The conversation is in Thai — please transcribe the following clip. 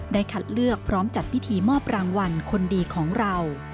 คัดเลือกพร้อมจัดพิธีมอบรางวัลคนดีของเรา